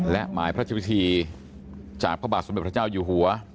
และหมายพระชวิธีจากพระบาทสมเด็จพระเจ้าอยู่หัว